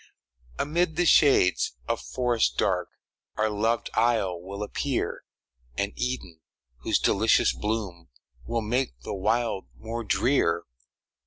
Amid the shades of forests dark, Our loved isle will appear An Eden, whose delicious bloom Will make the wild more drear.